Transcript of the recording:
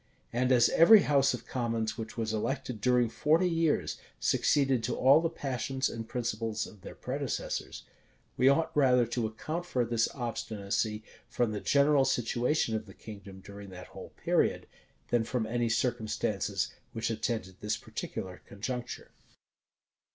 And as every house of commons which was elected during forty years, succeeded to all the passions and principles of their predecessors, we ought rather to account for this obstinacy from the general situation of the kingdom during that whole period, than from any circumstances which attended this particular conjuncture.